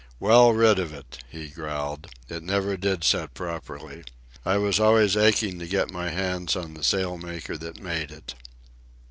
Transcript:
"Well rid of it," he growled. "It never did set properly. I was always aching to get my hands on the sail maker that made it."